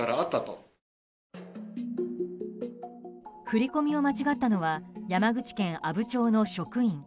振り込みを間違ったのは山口県阿武町の職員。